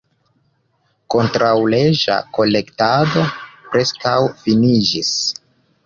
Kontraŭleĝa kolektado preskaŭ finiĝis.